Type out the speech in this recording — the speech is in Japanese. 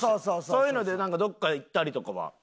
そういうのでなんかどこか行ったりとかは？